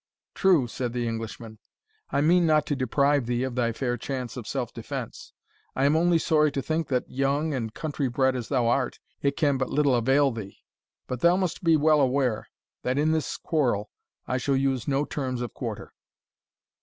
"True," said the Englishman, "I mean not to deprive thee of thy fair chance of self defence. I am only sorry to think, that, young and country bred as thou art, it can but little avail thee. But thou must be well aware, that in this quarrel I shall use no terms of quarter."